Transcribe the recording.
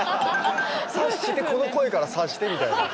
「察してこの声から察して」みたいな。